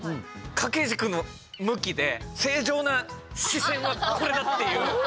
掛け軸の向きで正常な視線はここだっていう。